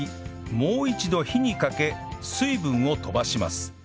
もう一度火にかけ水分を飛ばします